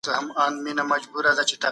پر ځان مې چف کړل ډير د صبر اياتونه